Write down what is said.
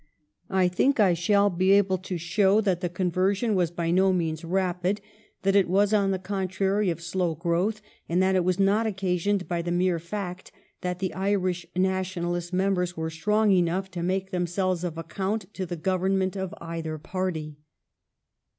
I think I shall be able to show that the conversion was by no means rapid ; that it was, on the contrary, of slow growth, and that it was not occasioned by the mere fact that the Irish Nationalist members were strong enough to make themselves of account to the government of either party.